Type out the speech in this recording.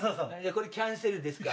これキャンセルですか？